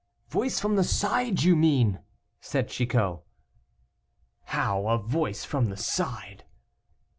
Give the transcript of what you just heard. "Voice from the side, you mean," said Chicot. "How! a voice from the side?"